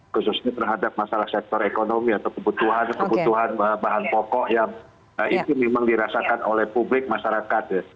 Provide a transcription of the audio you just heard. khususnya terhadap masalah sektor ekonomi atau kebutuhan bahan pokok yang itu memang dirasakan oleh publik masyarakat